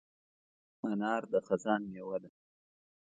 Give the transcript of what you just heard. انار د خزان مېوه ده.